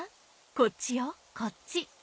こっちよこっち。